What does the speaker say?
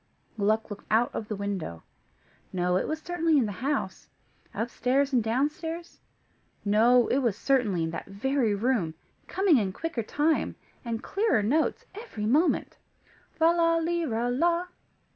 Gluck looked out of the window. No, it was certainly in the house. Upstairs, and downstairs. No, it was certainly in that very room, coming in quicker time, and clearer notes, every moment. "Lala lira la."